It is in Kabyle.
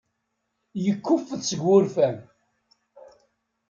Yekkuffet seg wurfan.